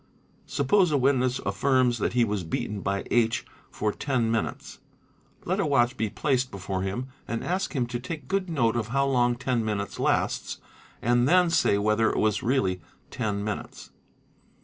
Suppose a witness affirms that he was beaten by H. for ten minutes. Let a watch be placed before him and ask him to take good note of how long ten minutes lasts and then say whether it was really ten minutes.